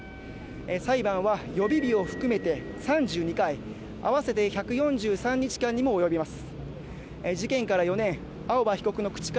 裁判は予備日を含めて３２回合わせて１４３日間にも及びます